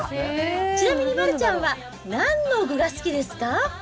ちなみに丸ちゃんはなんの具が好きですか？